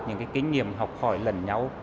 những kinh nghiệm học hỏi lần nhau